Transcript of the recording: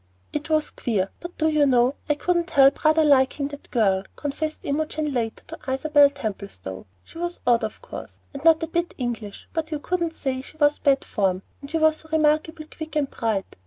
"It was queer, but do you know I couldn't help rather liking that girl;" confessed Imogen later to Isabel Templestowe. "She was odd, of course, and not a bit English, but you couldn't say she was bad form, and she was so remarkably quick and bright.